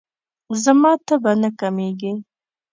زما تبه نه کمیږي.